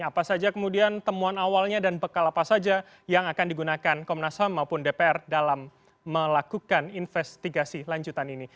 apa saja kemudian temuan awalnya dan bekal apa saja yang akan digunakan komnas ham maupun dpr dalam melakukan investigasi lanjutan ini